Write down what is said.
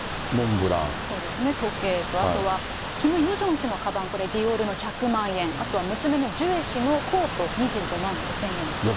時計と、あとはキム・ヨジョン氏のかばん、これ、ディオールの１００万円、あとは娘のジュエ氏のコート２５万５０００円だそうです。